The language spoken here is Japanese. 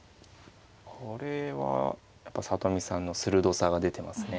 これはやっぱ里見さんの鋭さが出てますね。